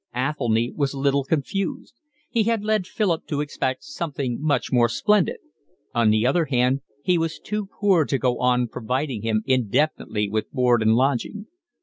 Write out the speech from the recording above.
Athelny was a little confused; he had led Philip to expect something much more splendid; on the other hand he was too poor to go on providing him indefinitely with board and lodging.